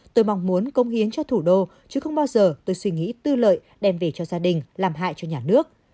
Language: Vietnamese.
tôi mong muốn công hiến cho thủ đô chứ không bao giờ tôi suy nghĩ tư lợi đem về cho gia đình làm hại cho nhà nước